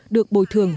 được bồi thường nhầm